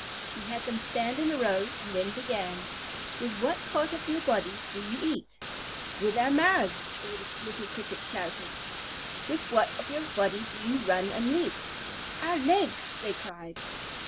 He had them stand in a row, and then began: "With what part of your body do you eat?" "With our mouths," all the little Crickets shouted. "With what part of your body do you run and leap?" "Our legs," they cried.